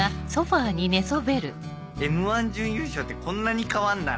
『Ｍ−１』準優勝ってこんなに変わるんだな。